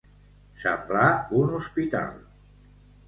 Semblar un hospital.